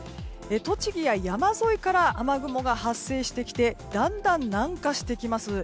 栃木や山沿いから雨雲が発生してきてだんだん南下してきます。